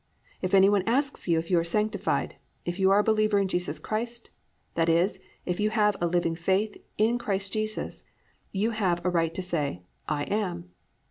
If any one asks you if you are sanctified; if you are a believer in Jesus Christ, i.e., if you have a living faith, in Jesus Christ, you have a right to say, "I am."